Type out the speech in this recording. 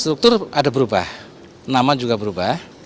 struktur ada berubah nama juga berubah